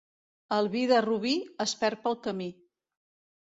El vi de Rubí es perd pel camí.